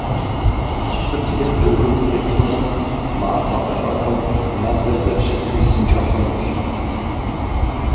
Щыблэр жыгым техуэмэ, мафӀэ къыщӏэнэу, мэзыр зэрыщыту исынкӏэ хъунущ.